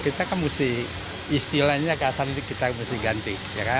kita kan mesti istilahnya ke asam kita mesti ganti